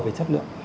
về chất lượng